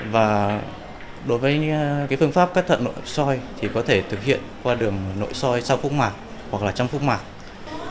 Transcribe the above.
và đối với phương pháp cắt thận nội soi thì có thể thực hiện qua đường nội soi sau khúc mặt hoặc là trong khúc mặt